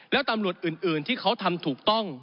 แล้วตำรวจอื่นที่เขาทำถูกต้อง